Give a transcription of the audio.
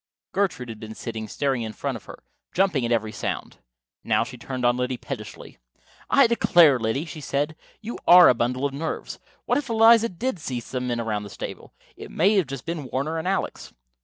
Gertrude had been sitting staring in front of her, jumping at every sound. Now she turned on Liddy pettishly. "I declare, Liddy," she said, "you are a bundle of nerves. What if Eliza did see some men around the stable? It may have been Warner and Alex."